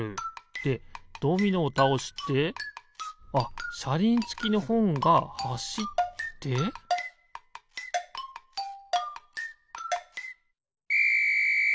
でドミノをたおしてあっしゃりんつきのほんがはしってピッ！